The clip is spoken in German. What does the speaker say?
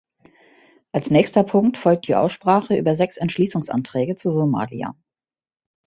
Als nächster Punkt folgt die Aussprache über sechs Entschließungsanträge zu Somalia.